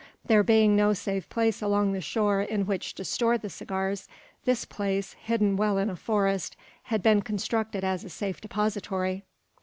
There being no safe place along the shore in which to store the cigars, this place, hidden well in a forest, had been constructed as a safe depository.